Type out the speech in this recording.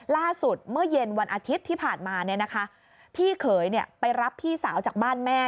เมื่อเย็นวันอาทิตย์ที่ผ่านมาพี่เขยไปรับพี่สาวจากบ้านแม่